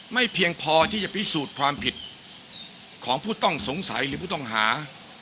เพียงพอที่จะพิสูจน์ความผิดของผู้ต้องสงสัยหรือผู้ต้องหา